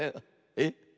えっ？